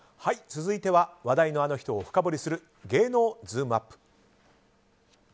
続いては話題のあの人を深掘りする芸能ズームＵＰ！。